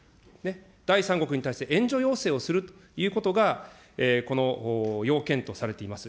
第三国に対して援助要請をするということがこの要件とされています。